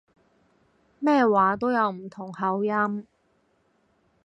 咩話都有唔同口音